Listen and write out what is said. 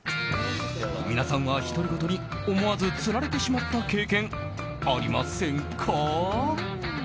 皆さんは独り言に思わず釣られてしまった経験ありませんか？